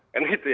kan gitu ya